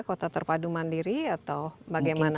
kota terpadu mandiri atau bagaimana